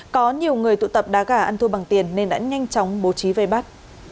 có nhiều người tụ tập đá gà ăn thua bằng tiền nên đã nhanh chóng bố trí vây bắt